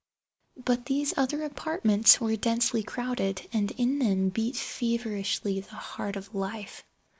But these other apartments were densely crowded, and in them beat feverishly the heart of life.